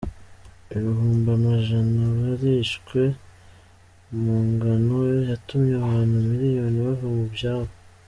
Ibihumbi amajana barishwe mu ngwano yatumye abantu imiliyoni bava mu vyabo.